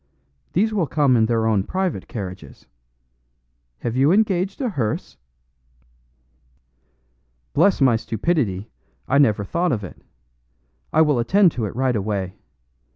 These will come in their own private carriages. Have you engaged a hearse?" "Bless my stupidity, I never thought of it! I will attend to it right away.